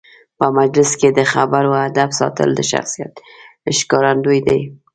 په مجلس کې د خبرو آدب ساتل د شخصیت ښکارندوی دی.